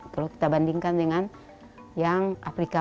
kalau kita bandingkan dengan yang afrika